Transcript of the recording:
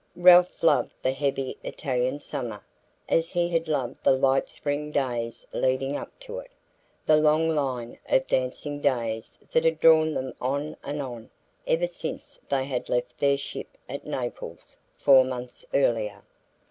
Ralph loved the heavy Italian summer, as he had loved the light spring days leading up to it: the long line of dancing days that had drawn them on and on ever since they had left their ship at Naples four months earlier.